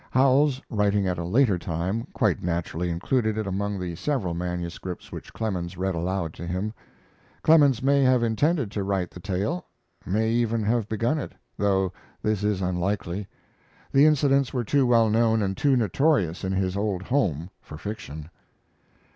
Howells, writing at a later time, quite naturally included it among the several manuscripts which Clemens read aloud to him. Clemens may have intended to write the tale, may even have begun it, though this is unlikely. The incidents were too well known and too notorious in his old home for fiction.